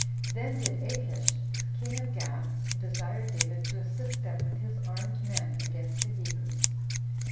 Then did Achish, the king of Gath, desire David to assist them with his armed men against the Hebrews.